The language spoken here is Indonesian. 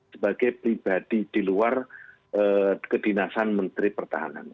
sebagai pribadi di luar kedinasan menteri pertahanan